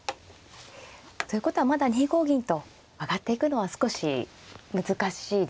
ということはまだ２五銀と上がっていくのは少し難しいですか。